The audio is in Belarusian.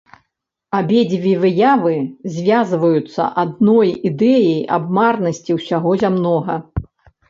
Абедзве выявы звязваюцца адной ідэяй аб марнасці ўсяго зямнога.